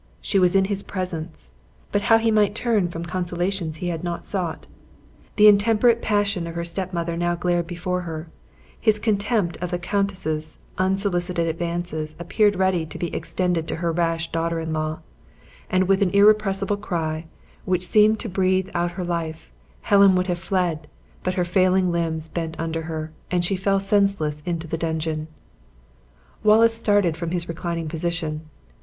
She was in his presence! but how might he turn from consolations he had not sought! The intemperate passion of her step mother now glared before her; his contempt of the countess' unsolicited advances appeared ready to be extended to her rash daughter in law; and with an irrepressible cry, which seemed to breathe out her life, Helen would have fled, but her failing limbs bent under her, and she fell senseless into the dungeon. Wallace started from his reclining position.